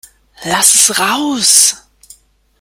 Lass es raus!